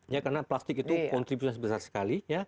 ya karena plastik itu kontribusi yang besar sekali